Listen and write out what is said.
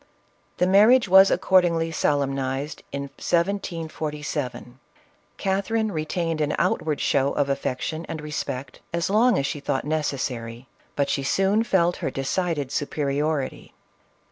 The marriage was accordingly solemnized in 1747. Catherine retained an outward show of affection and respect, as long as she thought necessary, but she soon felt her decided superiority.